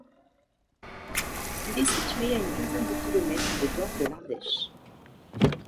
Il est situé à une quinzaine de kilomètres des gorges de l'Ardèche.